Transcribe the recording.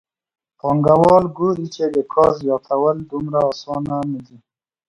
پانګوال ګوري چې د کار زیاتول دومره اسانه نه دي